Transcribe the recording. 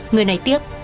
người này tiếc